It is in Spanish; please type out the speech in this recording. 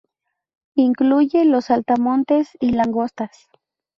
Incluye los saltamontes y langostas.